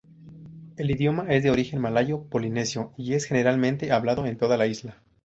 El idioma es de origen malayo-polinesio y es generalmente hablado en toda la isla.